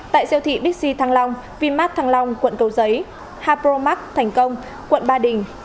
tại siêu thị bixi thăng long vinmart thăng long quận cầu giấy hapromark thành công quận ba đình